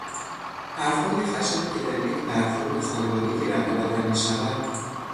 حرفهای خشنی که در یک برخورد خانوادگی رد و بدل میشود